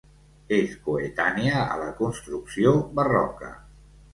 És coetània a la construcció barroca.